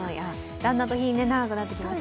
だんだん日が長くなってきました。